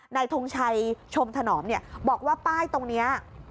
ทงชัยชมถนอมบอกว่าป้ายตรงนี้